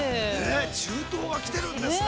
◆中東が来てるんですね。